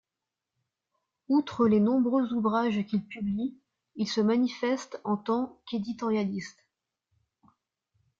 Outre les nombreux ouvrages qu’il publie, il se manifeste en tant qu’éditorialiste.